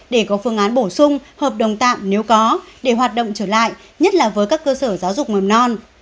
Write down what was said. để có phương án bổ sung hợp đồng tạm nếu có để hoạt động trở lại nhất là với các cơ sở giáo dục mầm non